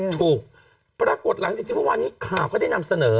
ถูกปรากฏหลังจากที่เมื่อวานนี้ข่าวก็ได้นำเสนอ